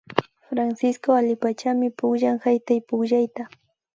Francisco allipachami pukllan haytaypukllayta